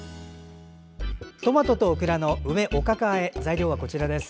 トマトとオクラの梅おかかあえ、材料はこちらです。